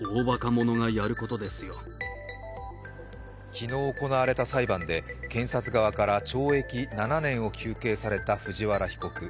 昨日行われた裁判で検察側から懲役７年を求刑された藤原被告。